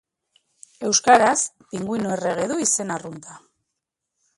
Euskaraz, pinguino errege du izen arrunta.